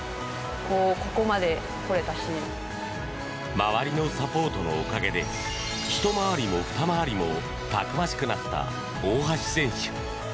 周りのサポートのおかげでひと回りもふた回りもたくましくなった大橋選手。